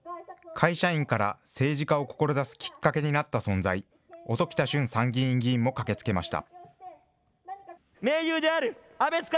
会社員から政治家を志すきっかけになった存在、音喜多駿参議院議員も駆けつけました。